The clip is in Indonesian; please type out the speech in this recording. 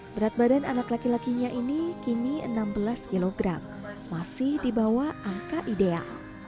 berat badan anak laki lakinya ini kini enam belas kg masih di bawah angka ideal